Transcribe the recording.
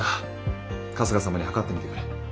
春日様にはかってみてくれ。